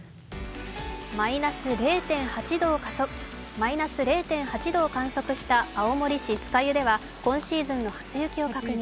マイナス０．８度を観測した青森市酸ヶ湯では今シーズンの初雪を確認。